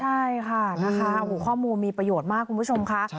ใช่ค่ะนะคะข้อมูลมีประโยชน์มากคุณผู้ชมค่ะ